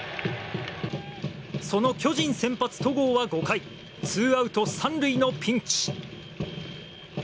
その巨人先発、戸郷は５回ツーアウト３塁のピンチ。